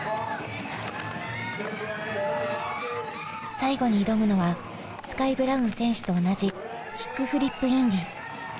最後に挑むのはスカイ・ブラウン選手と同じキックフリップインディ。